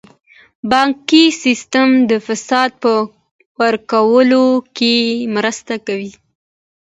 بانکي سیستم د فساد په ورکولو کې مرسته کوي.